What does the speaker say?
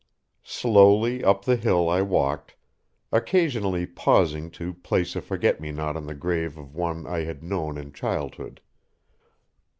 Slowly up the hill I walked, occasionally pausing to place a forget me not on the grave of one I had known in childhood.